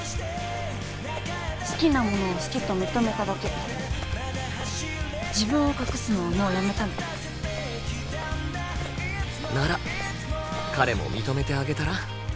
好きなものを好きと認めただけ自分を隠すのはもうやめたのなら彼も認めてあげたら？